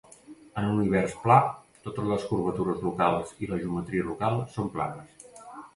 En un univers pla, totes les curvatures locals i la geometria local són planes.